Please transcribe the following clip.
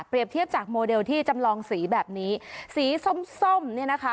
เทียบจากโมเดลที่จำลองสีแบบนี้สีส้มส้มเนี่ยนะคะ